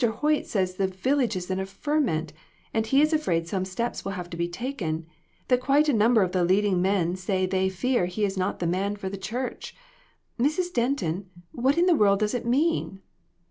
Hoyt says the village is in a ferment, and he is afraid some steps will have to be taken that quite a number of the leading men say they fear he is not the man for this church. Mrs. Denton, what in the world does it mean?"